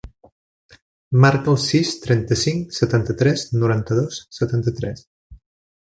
Marca el sis, trenta-cinc, setanta-tres, noranta-dos, setanta-tres.